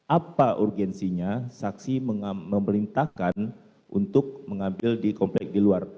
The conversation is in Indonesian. apa urgensinya saksi memerintahkan untuk mengambil di komplek di luar